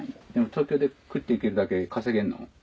でも東京で食って行けるだけ稼げるの？